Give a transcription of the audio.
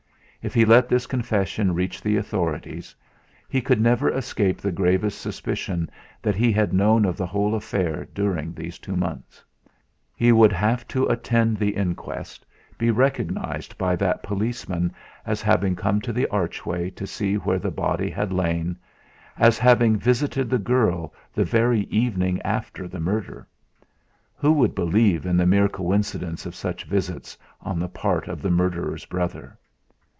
If he let this confession reach the authorities, he could never escape the gravest suspicion that he had known of the whole affair during these two months. He would have to attend the inquest, be recognised by that policeman as having come to the archway to see where the body had lain, as having visited the girl the very evening after the murder. Who would believe in the mere coincidence of such visits on the part of the murderer's brother.